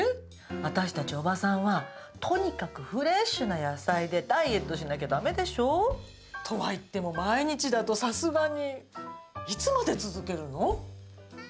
私たち、おばさんはとにかくフレッシュな野菜でダイエットしなきゃダメでしょ？とはいっても毎日だと、さすがに。